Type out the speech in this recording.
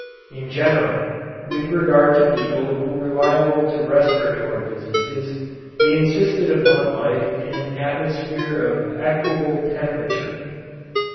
In general, with regard to people who were liable to respiratory diseases, they insisted upon life in an atmosphere of equable temperature.